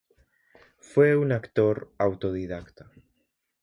Fue un actor autodidacta.